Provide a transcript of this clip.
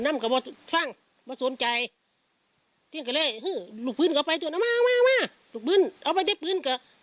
มีคนท้า